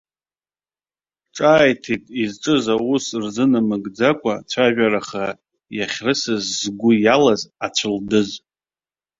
Ҿааиҭит изҿыз аус рзынамыгӡакәа цәажәараха иахьрысыз згәы иалаз ацәылдыз.